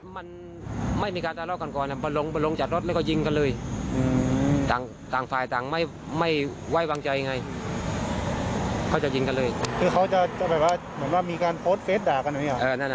ไม่เคยเห็นถ้าท้ายถึงขนาดว่ามันมาวรพื้นกัน